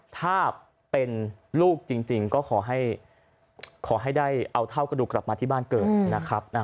ถ้าเป็นลูกจริงก็ขอให้ได้เอาเท่ากระดูกกลับมาที่บ้านเกิดนะครับ